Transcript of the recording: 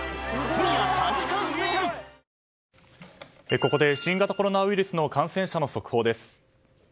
ここで新型コロナウイルスの感染者の速報です。